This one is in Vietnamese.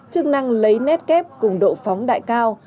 chức năng lấy nét kép cùng độ phóng đại cao